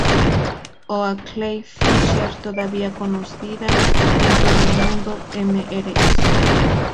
Oakley Fisher', todavía conocida en todo el mundo, 'Mrs.